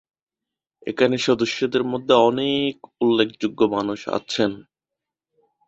এখানে সদস্যদের মধ্যে অনেক উল্লেখযোগ্য মানুষ আছেন।